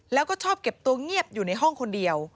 แล้วก็ชอบเก็บตัวเงียบอยู่ในห้องคนเดียว